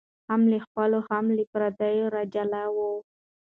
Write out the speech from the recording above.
هم له خپلو هم پردیو را جلا وه